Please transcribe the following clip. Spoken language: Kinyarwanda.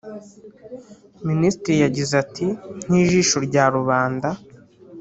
Minisitiri yagize ati “Nk’ijisho rya rubanda